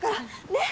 ねっ！